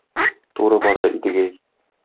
Туры барды Идегәй.